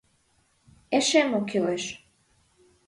— Эше мо кӱлеш?